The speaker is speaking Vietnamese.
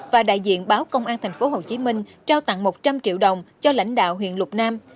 và đại diện báo công an tp hcm trao tặng một trăm linh triệu đồng cho lãnh đạo huyện lục nam